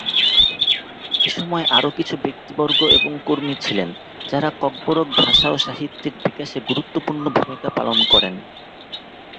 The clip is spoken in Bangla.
এসময় আরও কিছু ব্যক্তিবর্গ এবং কর্মী ছিলেন, যারা ককবরক ভাষা ও সাহিত্যের বিকাশে গুরুত্বপূর্ণ ভূমিকা পালন করেন।